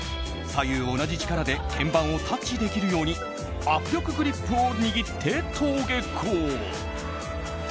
左右同じ力で鍵盤をタッチできるように握力グリップを握って登下校。